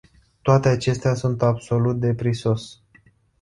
Toate acestea sunt absolut de prisos.